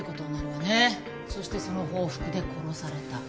そしてその報復で殺された。